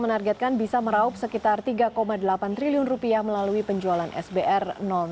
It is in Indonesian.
menargetkan bisa meraup sekitar tiga delapan triliun rupiah melalui penjualan sbr dua